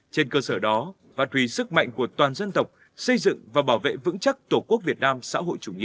trên cơ sở đó phát huy sức mạnh của toàn dân tộc xây dựng và bảo vệ vững chắc tổ quốc việt nam xã hội chủ nghĩa